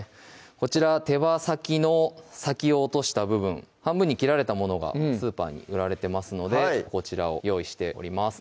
こちら手羽先の先を落とした部分半分に切られたものがスーパーに売られてますのでこちらを用意しております